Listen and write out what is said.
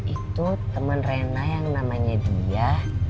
itu teman rena yang namanya dia